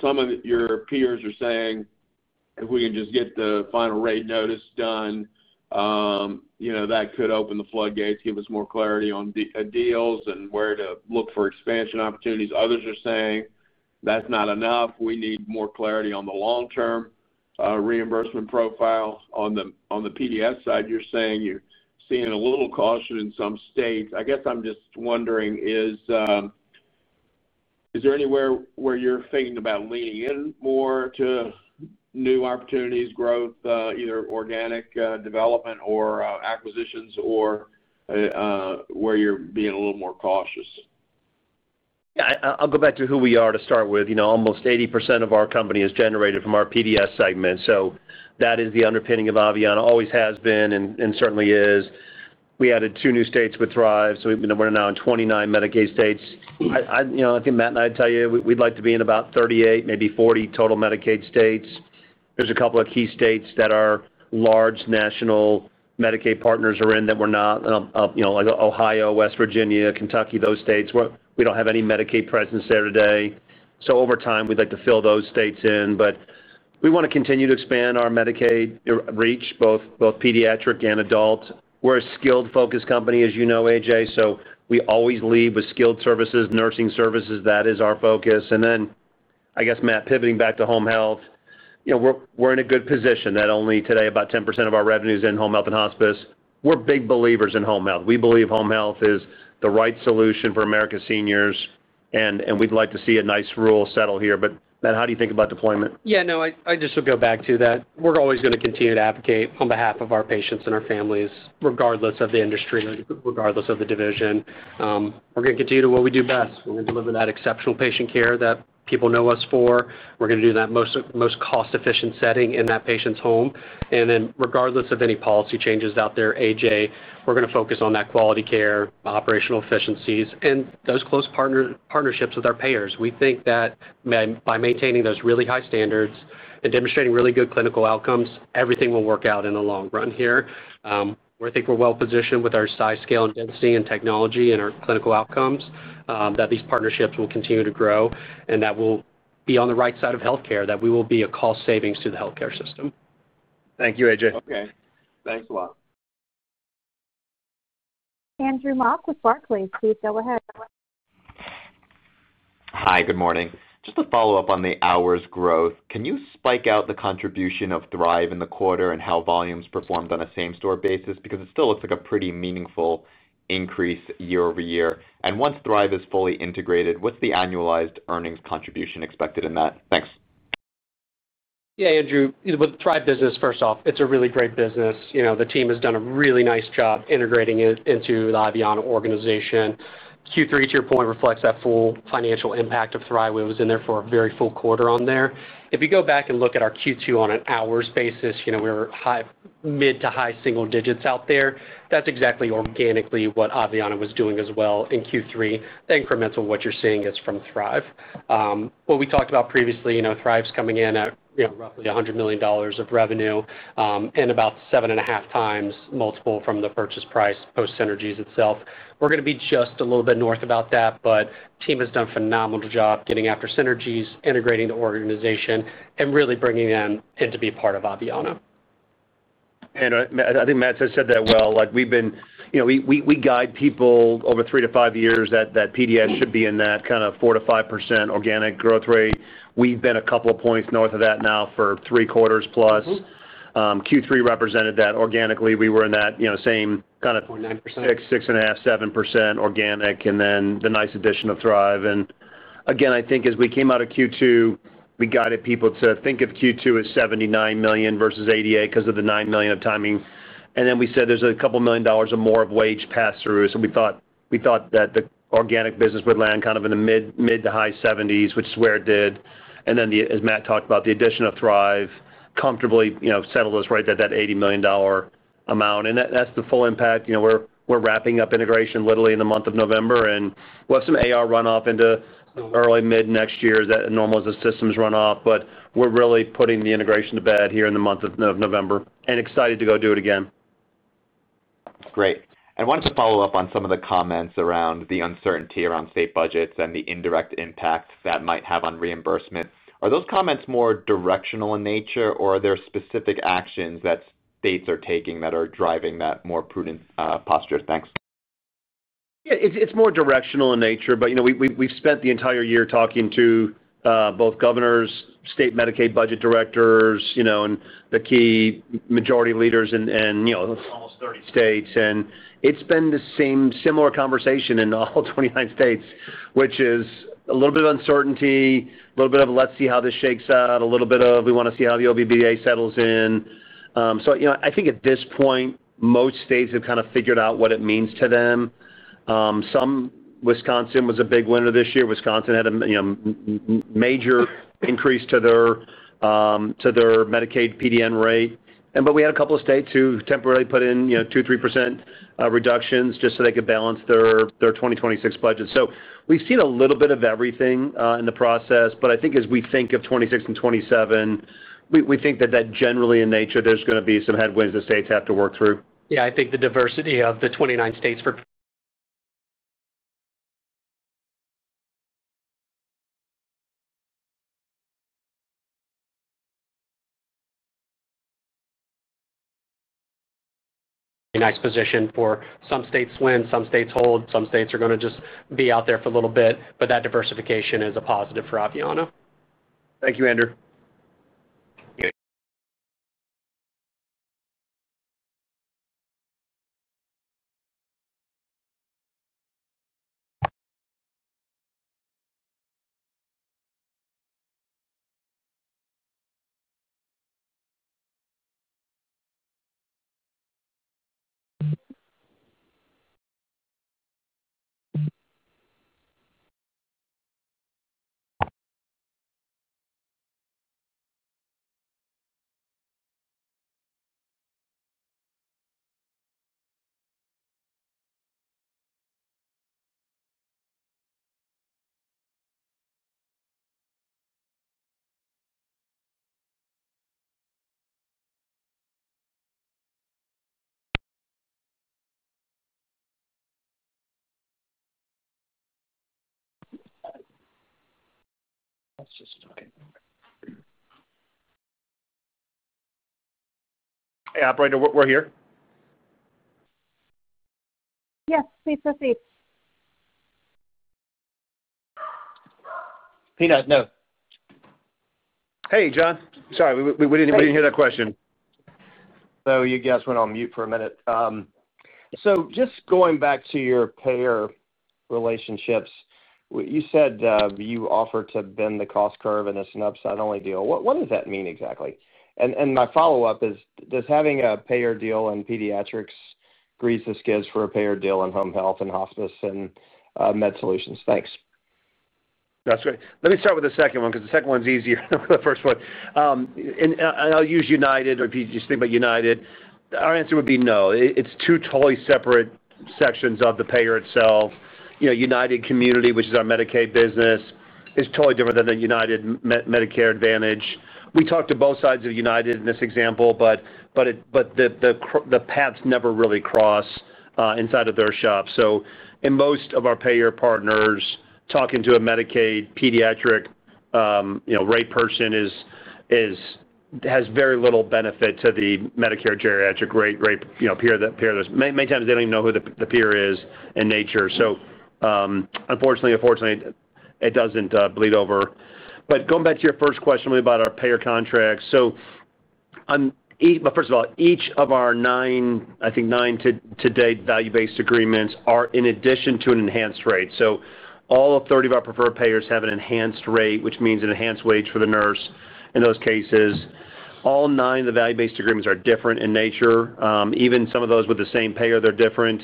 Some of your peers are saying if we can just get the final rate notice done, that could open the floodgates, give us more clarity on deals and where to look for expansion opportunities. Others are saying that's not enough. We need more clarity on the long-term reimbursement profile. On the PDS side, you're saying you're seeing a little caution in some states. I guess I'm just wondering. Is there anywhere where you're thinking about leaning in more to. New opportunities, growth, either organic development or acquisitions, or where you're being a little more cautious? Yeah. I'll go back to who we are to start with. Nearly 80% of our company is generated from our PDS segment. That is the underpinning of Aveanna. Always has been and certainly is. We added two new states with Thrive. We're now in 29 Medicaid states. I think Matt and I would tell you we'd like to be in about 38, to 40 total Medicaid states. There's a couple of key states that our large national Medicaid partners are in that we're not, like Ohio, West Virginia, Kentucky, those states. We don't have any Medicaid presence there today. Over time, we'd like to fill those states in. We want to continue to expand our Medicaid reach, both pediatric and adult. We're a skilled-focused company, as you know, AJ, so we always lead with skilled services, nursing services. That is our focus. I guess, Matt, pivoting back to home health. We're in a good position that only today about 10% of our revenue is in home health and hospice. We're big believers in home health. We believe home health is the right solution for America's seniors, and we'd like to see a nice rule settle here. Matt, how do you think about deployment? Yeah. No, I just would go back to that. We're always going to continue to advocate on behalf of our patients and our families, regardless of the industry, regardless of the division. We're going to continue to do what we do best. We're going to deliver that exceptional patient care that people know us for. We're going to do that most cost-efficient setting in that patient's home. And then, regardless of any policy changes out there, AJ, we're going to focus on that quality care, operational efficiencies, and those close partnerships with our payers. We think that by maintaining those really high standards and demonstrating really good clinical outcomes, everything will work out in the long run here. We think we're well-positioned with our size, scale, and density and technology and our clinical outcomes, that these partnerships will continue to grow and that we'll be on the right side of healthcare, that we will be a cost savings to the healthcare system. Thank you, AJ. Okay. Thanks a lot. Andrew Mock with Barclays. Please go ahead. Hi, good morning. Just to follow up on the hours growth, can you spike out the contribution of Thrive in the quarter and how volumes performed on a same-store basis? Because it still looks like a pretty meaningful increase year over year. Once Thrive is fully integrated, what's the annualized earnings contribution expected in that? Thanks. Yeah, Andrew. With the Thrive business, first off, it's a really great business. The team has done a really nice job integrating it into the Aveanna organization. Q3, to your point, reflects that full financial impact of Thrive. It was in there for a very full quarter on there. If you go back and look at our Q2 on an hours basis, we were mid to high single digits out there. That's exactly organically what Aveanna was doing as well in Q3. The incremental what you're seeing is from Thrive. What we talked about previously, Thrive is contributing roughly $100 million in revenue and was acquired at a purchase price multiple of approximately 7.5x, post-synergies. We're going to be just a little bit north of that, but the team has done a phenomenal job getting after Synergies, integrating the organization, and really bringing them in to be part of Aveanna. I think Matt said that well. We guide people over three to five years that PDS should be in that kind of 4-5% organic growth rate. We've been a couple of points north of that now for three quarters plus. Q3 represented that organically. We were in that same kind of 6.5-7% organic, and then the nice addition of Thrive. I think as we came out of Q2, we guided people to think of Q2 as $79 million versus $88 million because of the $9 million of timing. We said there's a couple of million dollars or more of wage pass-through. We thought that the organic business would land kind of in the mid to high $70 million range, which is where it did. As Matt talked about, the addition of Thrive comfortably settled us right at that $80 million amount. That's the full impact. We're wrapping up integration literally in the month of November, and we'll have some AR runoff into early to mid next year as normal as the systems runoff. We're really putting the integration to bed here in the month of November and excited to go do it again. Great. I wanted to follow up on some of the comments around the uncertainty around state budgets and the indirect impact that might have on reimbursement. Are those comments more directional in nature, or are there specific actions that states are taking that are driving that more prudent posture? Thanks. Yeah. It's more directional in nature, but we've spent the entire year talking to both governors, state Medicaid budget directors, and the key majority leaders in nearly 30 states. And it's been the same similar conversation in all 29 states, which is a little bit of uncertainty, a little bit of, "Let's see how this shakes out," a little bit of, "We want to see how the OBBBA settles in." I think at this point, most states have kind of figured out what it means to them. Wisconsin was a big winner this year. Wisconsin had a. Major increase to their Medicaid PDN rate. We had a couple of states who temporarily put in 2-3% reductions just so they could balance their 2026 budget. We have seen a little bit of everything in the process. I think as we think of 2026 and 2027, we think that generally in nature, there are going to be some headwinds that states have to work through. Yeah, I think the diversity of the 29 states is a nice position for some states win, some states hold, some states are going to just be out there for a little bit. That diversification is a positive for Aveanna. Thank you, Andrew. Hey, Operator, we are here. Yes, please proceed. Peanut, no. Hey, John, sorry, we did not hear that question. You guys went on mute for a minute. Just going back to your payer relationships, you said you offered to bend the cost curve in this, an upside-only deal. What does that mean exactly? My follow-up is, does having a payer deal in pediatrics grease the skis for a payer deal in home health and hospice and med solutions? Thanks. That's great. Let me start with the second one because the second one is easier than the first one. I'll use United, or if you just think about United. Our answer would be no. It's two totally separate sections of the payer itself. United Community, which is our Medicaid business, is totally different than the United Medicare Advantage. We talked to both sides of United in this example, but the paths never really cross inside of their shop. In most of our payer partners, talking to a Medicaid pediatric rate person. Has very little benefit to the Medicare geriatric payer list. Many times, they do not even know who the payer is in nature. Unfortunately, it does not bleed over. Going back to your first question about our payer contracts. First of all, each of our nine, I think nine to date, value-based agreements are in addition to an enhanced rate. All 30 of our preferred payers have an enhanced rate, which means an enhanced wage for the nurse in those cases. All nine of the value-based agreements are different in nature. Even some of those with the same payer, they are different.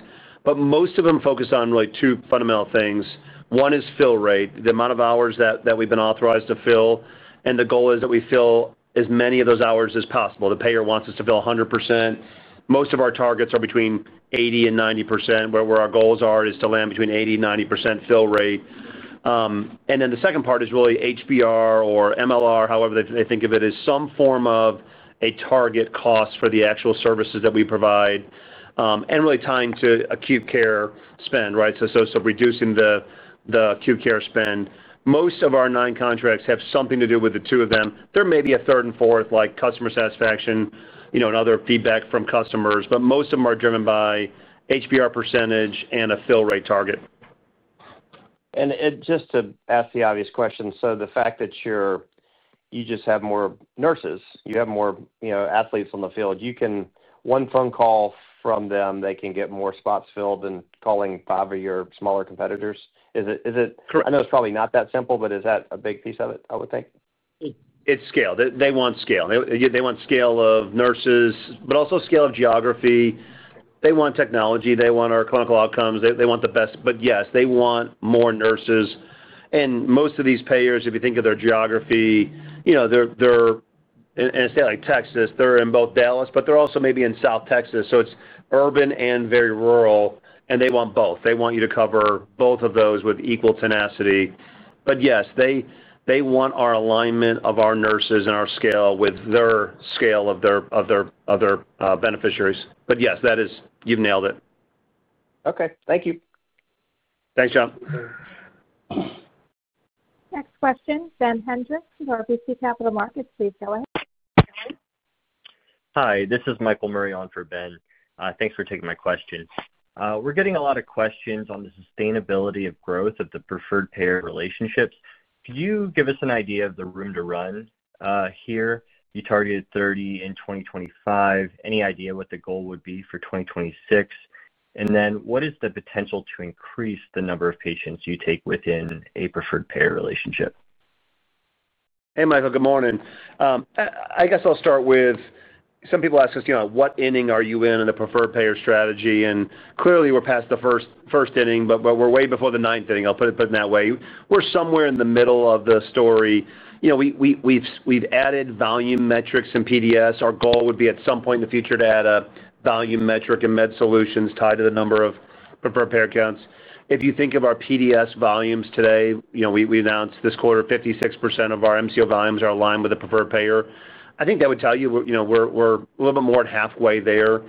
Most of them focus on really two fundamental things. One is fill rate, the amount of hours that we have been authorized to fill. The goal is that we fill as many of those hours as possible. The payer wants us to fill 100%. Most of our targets are between 80% and 90%, where our goals are to land between 80% and 90% fill rate. The second part is really HBR or MLR, however they think of it, is some form of a target cost for the actual services that we provide. Really tying to acute care spend, right? Reducing the acute care spend. Most of our nine contracts have something to do with the two of them. There may be a third and fourth, like customer satisfaction and other feedback from customers. Most of them are driven by HBR percentage and a fill rate target. Just to ask the obvious question, the fact that you just have more nurses, you have more athletes on the field, one phone call from them, they can get more spots filled than calling five of your smaller competitors? Is it? Correct. I know it's probably not that simple, but is that a big piece of it, I would think? It's scale. They want scale. They want scale of nurses, but also scale of geography. They want technology. They want our clinical outcomes. They want the best. Yes, they want more nurses. Most of these payers, if you think of their geography, they're in a state like Texas. They're in both Dallas, but they're also maybe in South Texas. It is urban and very rural. They want both. They want you to cover both of those with equal tenacity. Yes, they want our alignment of our nurses and our scale with their scale of their beneficiaries. Yes, you've nailed it. Okay. Thank you. Thanks, John. Next question, Ben Hendricks with RBC Capital Markets.Please go ahead. Hi. This is Michael Murray on for Ben. Thanks for taking my question. We're getting a lot of questions on the sustainability of growth of the preferred payer relationships. Could you give us an idea of the room to run? Here, you targeted 30 in 2025. Any idea what the goal would be for 2026? What is the potential to increase the number of patients you take within a preferred payer relationship? Hey, Michael. Good morning. I guess I'll start with. Some people ask us, "What inning are you in in a preferred payer strategy?" Clearly, we're past the first inning, but we're way before the ninth inning. I'll put it that way. We're somewhere in the middle of the story. We've added volume metrics in PDS. Our goal would be at some point in the future to add a volume metric in med solutions tied to the number of preferred payer counts. If you think of our PDS volumes today, we announced this quarter 56% of our MCO volumes are aligned with a preferred payer. I think that would tell you we're a little bit more than halfway there.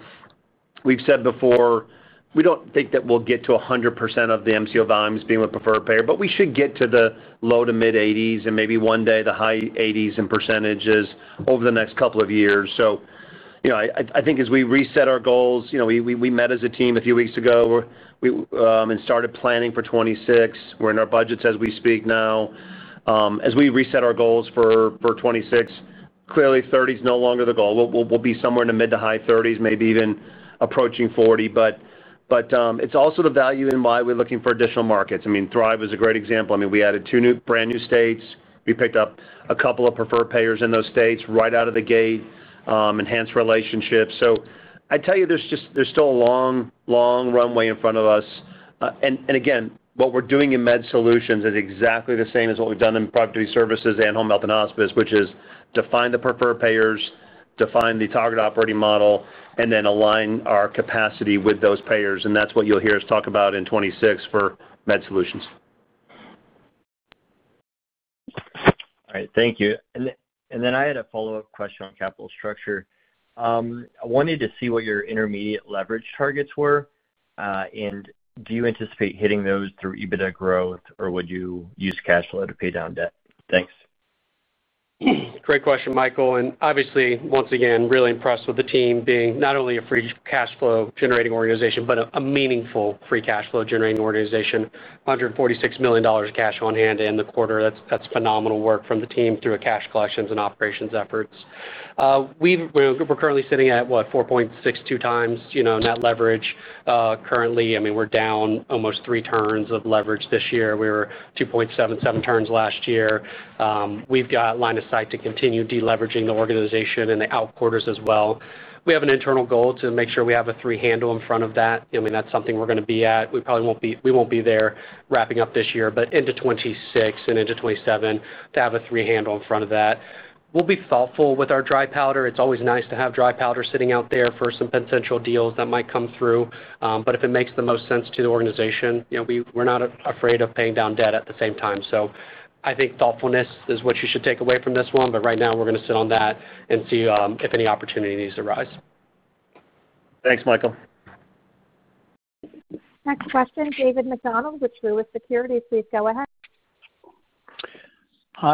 We've said before we don't think that we'll get to 100% of the MCO volumes being with a preferred payer, but we should get to the low to mid-80s and maybe one day the high 80s in percentages over the next couple of years. I think as we reset our goals, we met as a team a few weeks ago and started planning for 2026. We're in our budgets as we speak now. As we reset our goals for 2026, clearly, 30 is no longer the goal. We'll be somewhere in the mid to high 30s, maybe even approaching 40. It's also the value in why we're looking for additional markets. I mean, Thrive is a great example. I mean, we added two brand new states. We picked up a couple of preferred payers in those states right out of the gate, enhanced relationships. I tell you, there is still a long, long runway in front of us. Again, what we are doing in med solutions is exactly the same as what we have done in productivity services and home health and hospice, which is define the preferred payers, define the target operating model, and then align our capacity with those payers. That is what you will hear us talk about in 2026 for med solutions. All right. Thank you. I had a follow-up question on capital structure. I wanted to see what your intermediate leverage targets were. Do you anticipate hitting those through EBITDA growth, or would you use cash flow to pay down debt? Thanks. Great question, Michael. Obviously, once again, really impressed with the team being not only a free cash flow generating organization, but a meaningful free cash flow generating organization. $146 million cash on hand in the quarter. That is phenomenal work from the team through cash collections and operations efforts. We are currently sitting at, what, 4.62 times net leverage currently. I mean, we are down almost three turns of leverage this year. We were 2.77 turns last year. We have line of sight to continue deleveraging the organization and the out quarters as well. We have an internal goal to make sure we have a three-handle in front of that. I mean, that is something we are going to be at. We probably will not be there wrapping up this year, but into 2026 and into 2027 to have a three-handle in front of that. We will be thoughtful with our dry powder. It's always nice to have dry powder sitting out there for some potential deals that might come through. If it makes the most sense to the organization, we're not afraid of paying down debt at the same time. I think thoughtfulness is what you should take away from this one. Right now, we're going to sit on that and see if any opportunities arise. Thanks, Michael. Next question, David McDonald with Truist Securities. Please go ahead.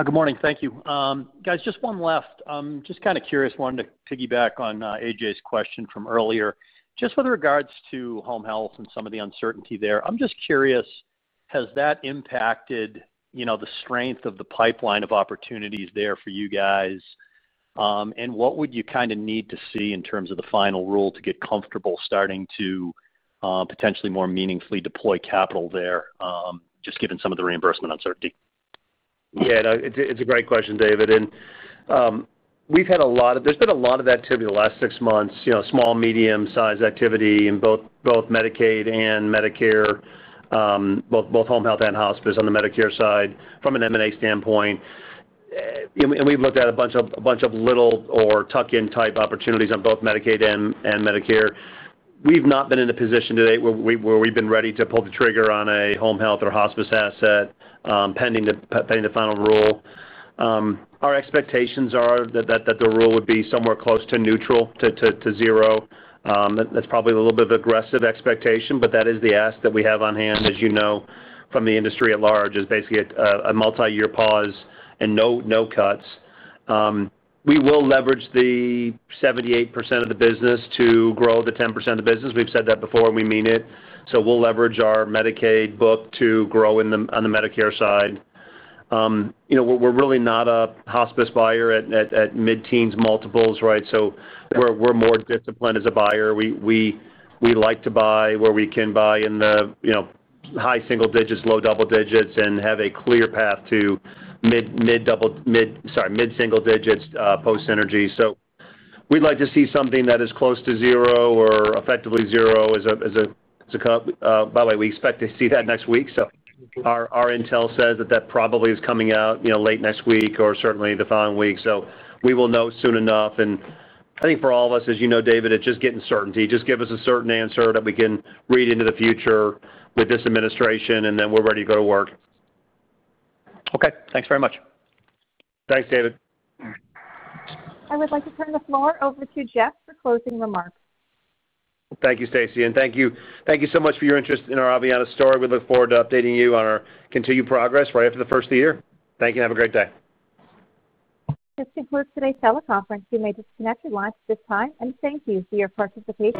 Good morning. Thank you. Guys, just one last. I'm just kind of curious, wanted to piggyback on AJ's question from earlier. Just with regards to home health and some of the uncertainty there, I'm just curious, has that impacted the strength of the pipeline of opportunities there for you guys? What would you kind of need to see in terms of the final rule to get comfortable starting to potentially more meaningfully deploy capital there, just given some of the reimbursement uncertainty? Yeah. It's a great question, David. We've had a lot of, there's been a lot of activity the last six months, small, medium-sized activity in both Medicaid and Medicare. Both home health and hospice on the Medicare side from an M&A standpoint. We've looked at a bunch of little or tuck-in type opportunities on both Medicaid and Medicare. We've not been in a position today where we've been ready to pull the trigger on a home health or hospice asset pending the final rule. Our expectations are that the rule would be somewhere close to neutral to zero. That's probably a little bit of an aggressive expectation, but that is the ask that we have on hand, as you know, from the industry at large, is basically a multi-year pause and no cuts. We will leverage the 78% of the business to grow the 10% of the business. We've said that before, and we mean it. We'll leverage our Medicaid book to grow on the Medicare side. We're really not a hospice buyer at mid-teens multiples, right? We're more disciplined as a buyer. We like to buy where we can buy in the high single digits, low double digits, and have a clear path to mid-single digits post-synergy. We'd like to see something that is close to zero or effectively zero as a, by the way, we expect to see that next week. Our intel says that that probably is coming out late next week or certainly the following week. We will know soon enough. I think for all of us, as you know, David, it's just getting certainty. Just give us a certain answer that we can read into the future with this administration, and then we're ready to go to work. Okay. Thanks very much. Thanks, David. I would like to turn the floor over to Jeff for closing remarks. Thank you, Stacey. And thank you so much for your interest in our Aveanna story. We look forward to updating you on our continued progress right after the first of the year. Thank you, and have a great day. This concludes today's teleconference. You may disconnect your lines at this time. And thank you for your participation.